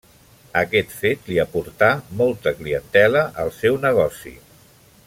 Aquest fet li aportà molta clientela al seu negoci.